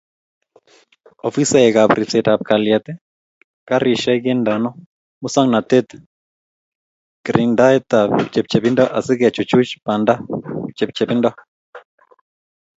Ofisaekab ribseetab kalyet, garisyek kendeno musoknatetab kiringdaetab chepchebindo asi kechuchuch bandab chepchebindo.